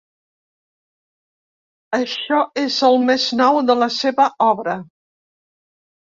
Això és el més nou de la seva obra.